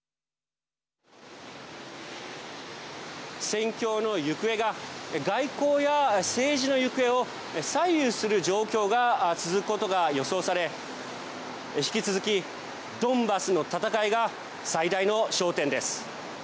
戦況の行方が外交や政治の行方を左右する状況が続くことが予想され引き続き、ドンバスの戦いが最大の焦点です。